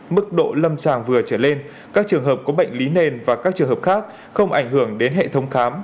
mức độ lâm sàng vừa trở lên các trường hợp có bệnh lý nền và các trường hợp khác không ảnh hưởng đến hệ thống khám